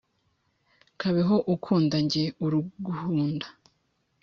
kabeho ukunda njye uruguhunda